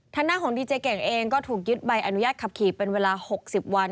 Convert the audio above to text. หน้าของดีเจเก่งเองก็ถูกยึดใบอนุญาตขับขี่เป็นเวลา๖๐วัน